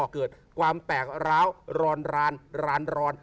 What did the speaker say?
เกิดความแตกร้าวร้อนรานร้อน